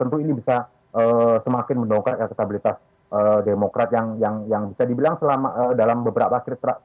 tentu ini bisa semakin mendongkrak elektabilitas demokrat yang bisa dibilang dalam beberapa akhir